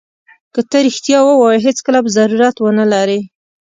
که ته رښتیا ووایې هېڅکله به ضرورت ونه لرې.